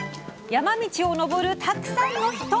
山道を登るたくさんの人。